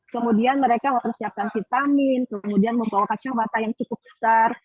kemudian mereka mempersiapkan vitamin kemudian membawa kacamata yang cukup besar